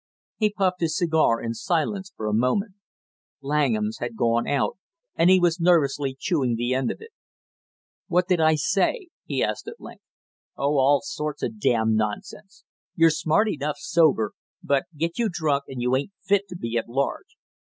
He puffed his cigar in silence for a moment. Langham's had gone out and he was nervously chewing the end of it. "What did I say?" he asked at length. "Oh, all sorts of damn nonsense. You're smart enough sober, but get you drunk and you ain't fit to be at large!"